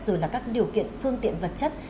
rồi là các điều kiện phương tiện vật chất